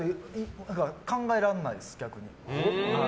考えられないです、逆に。